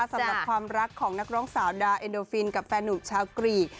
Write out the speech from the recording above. สำหรับความรักของนักร้องสาวดาเอ็นโดฟินกับแฟนหนุ่มชาวกรีก